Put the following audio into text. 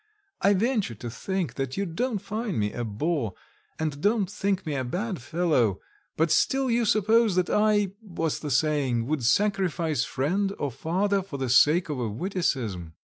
I venture to think that you don't find me a bore, and don't think me a bad fellow, but still you suppose that I what's the saying? would sacrifice friend or father for the sake of a witticism."